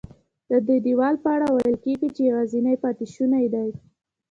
ددې دیوال په اړه ویل کېږي چې یوازینی پاتې شونی دی.